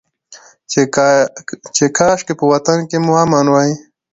چې کاشکي په وطن کې مو امن وى.